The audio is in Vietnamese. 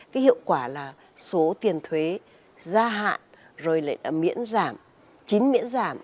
cái hiệu quả là số tiền thuế gia hạn rồi lại là miễn giảm chính miễn giảm